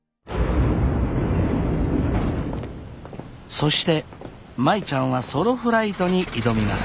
そして舞ちゃんはソロフライトに挑みます。